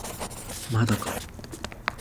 まだか